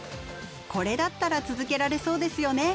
これだったら続けられそうですよね。